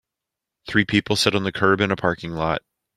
Three people sit on the curb in a parking lot.